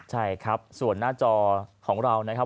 ใช่ครับส่วนหน้าจอของเรานะครับ